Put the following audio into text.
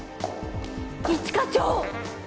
一課長！